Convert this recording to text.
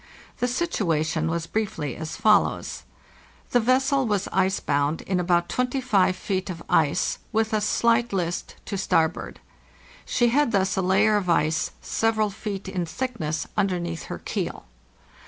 The situation was briefly as follows: The vessel was ice bound in about 25 feet of ice, with a slight list to starboard. She had thus a layer of ice, several feet in thickness, underneath her keel.